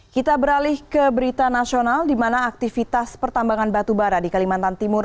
kita beralih ke berita nasional di mana aktivitas pertambangan batubara di kalimantan timur